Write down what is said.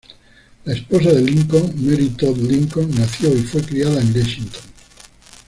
La esposa de Lincoln, Mary Todd Lincoln nació y fue criada en Lexington.